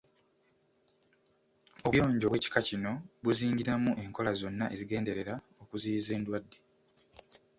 Obuyonjo obw'ekika kino buzingiramu enkola zonna ezigenderera okuziyiza endwadde.